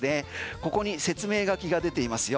ここに説明書きが出ていますよ。